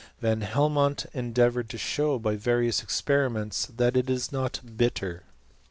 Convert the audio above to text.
Van Helmont endeavoured to show by various experiments that it^; is not bitter